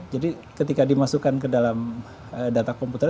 jadi ketika dimasukkan ke dalam data komputer